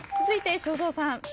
続いて正蔵さん。